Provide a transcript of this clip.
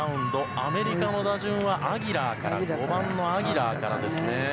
アメリカの打順は５番のアギラーからですね。